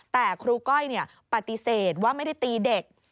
แต่ครูก้อยปฏิเสธว่าไม่ได้ตีเด็ก